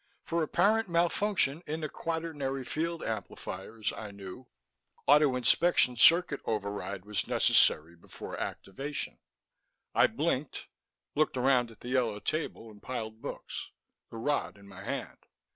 For apparent malfunction in the quaternary field amplifiers, I knew, auto inspection circuit override was necessary before activation_ I blinked, looked around at the yellow table, and piled books, the rod in my hand.